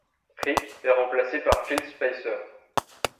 Rick est remplacé par Phil Speiser.